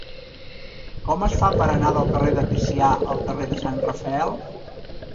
Com es fa per anar del carrer de Ticià al carrer de Sant Rafael?